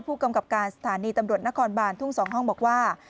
ผู้กำกับการสถานีตำรวจนครบานทุ่ง๒ห้องบอกว่า